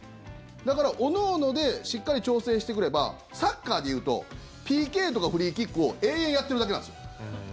だから各々でしっかり調整してくればサッカーで言うとＰＫとかフリーキックを延々やってるだけなんですよ。